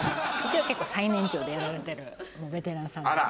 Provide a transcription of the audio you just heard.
最年長でやられてるベテランさんで。